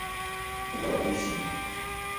O gbele abui sii.